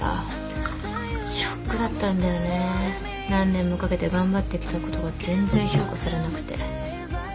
ショックだったんだよね何年もかけて頑張ってきたことが全然評価されなくて。